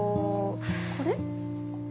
これ？